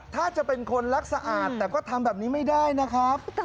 ถ้าจะเป็นคนรักสะอาดแต่ก็ทำแบบนี้ไม่ได้นะครับ